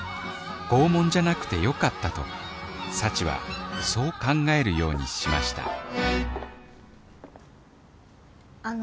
拷問じゃなくて良かったと幸はそう考えるようにしましたあの。